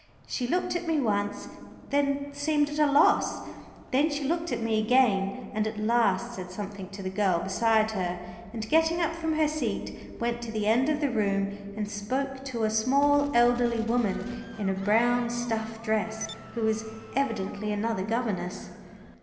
She looked at me once, then seemed at a loss, then she looked at me again, and at last said something to the girl beside her, and getting up from her seat went to the end of the room, and spoke to a small elderly woman in a brown stuff dress, who was evidently another governess.